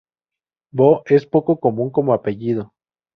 Bo es poco común como apellido.